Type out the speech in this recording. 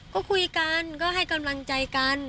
ก็คุยกันก็ให้กำลังใจกัน